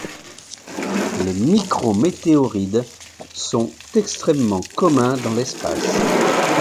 Les micrométéoroïdes sont extrêmement communs dans l'espace.